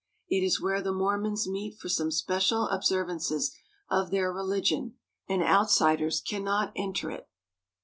It is w^here the Mormons meet for some special observances of their religion, and outsiders cannot enter it.